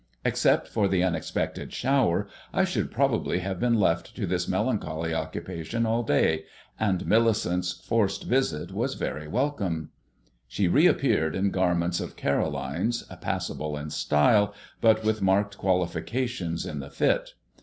Except for the unexpected shower, I should probably have been left to this melancholy occupation all day; and Millicent's forced visit was very welcome. She reappeared in garments of Caroline's, passable in style, but with marked qualifications in the fit.